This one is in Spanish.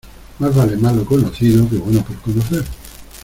Más vale malo conocido que bueno por conocer.